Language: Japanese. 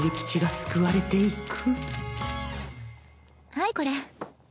はいこれ。